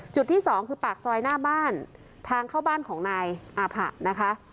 ที่สองคือปากซอยหน้าบ้านทางเข้าบ้านของนายอาผะนะคะ